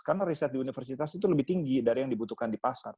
karena riset di universitas itu lebih tinggi dari yang dibutuhkan di pasar